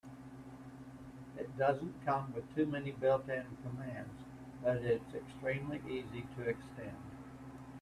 It doesn't come with too many built-in commands, but it's extremely easy to extend.